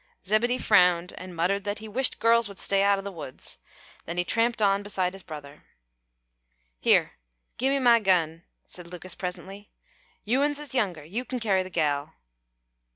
Zebedee frowned, and muttered that he wished girls would stay out o' the woods; then he tramped on beside his brother. "Here, gimme my gun," said Lucas, presently. "You uns is younger. You kin carry the gal."